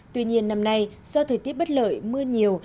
tuy nhiên năm nay do thời tiết bất lợi mưa nhiều